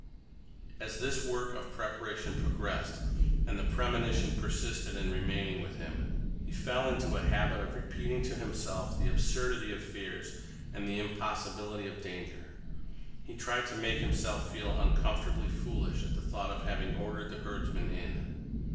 As this work of preparation progressed, and the premonition persisted in remaining with him, he fell into a habit of repeating to himself the absurdity of fears and the impossibility of danger. He tried to make himself feel uncomfortably foolish at the thought of having ordered the herdsmen in.